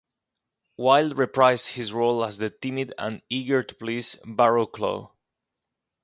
Wilde reprised his role as the timid and eager-to-please Barrowclough.